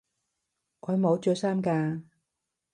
我冇着衫㗎